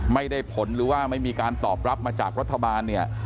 ไม่ได้ผลหรือว่าไม่มีการตอบรับมาจากรัฐบาลเนี่ย